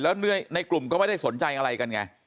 แล้วในกลุ่มก็ไม่ได้สนใจอะไรกันไง